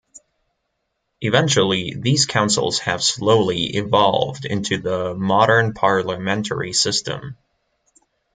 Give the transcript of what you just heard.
Eventually these councils have slowly evolved into the modern Parliamentary system.